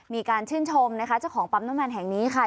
มีการชื่นชมนะคะเจ้าของปั๊มน้ำมันแห่งนี้ค่ะ